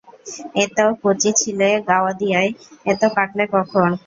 এত কচি ছিলে গাওদিয়ায়, এত পাকলে কখন?